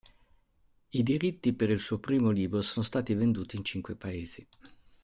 I diritti per il suo primo libro sono stati venduti in cinque paesi.